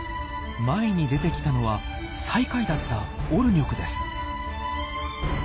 前に出てきたのは最下位だったオルニョクです。